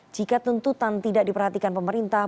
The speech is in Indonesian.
jika tuntutan tidak diperhatikan pemerintah